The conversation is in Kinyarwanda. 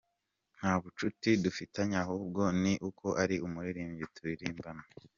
Nta bucuti dufitanye ahubwo ni uko ari umuririmbyi turirimbana.